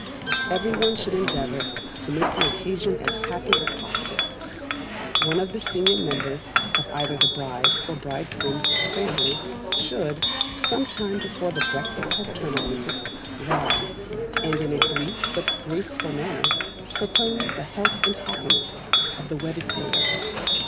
Everyone should endeavour to make the occasion as happy as possible. One of the senior members of either the bride or bridegroom's family should, sometime before the breakfast has terminated, rise, and in a brief but graceful manner, propose the "Health and happiness of the wedded pair."